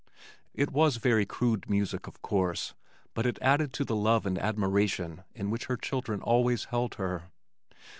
It was very crude music of course but it added to the love and admiration in which her children always held her.